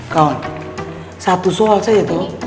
kawan satu soal saja tuh